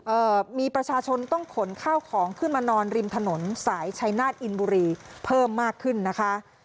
เอ่อมีประชาชนต้องขนข้าวของขึ้นมานอนริมถนนสายชัยนาฏอินบุรีเพิ่มมากขึ้นนะคะ